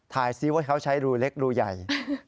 ซิว่าเขาใช้รูเล็กรูใหญ่